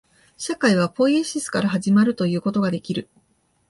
社会はポイエシスから始まるということができる。